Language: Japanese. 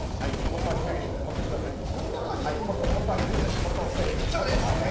もっと上げてください。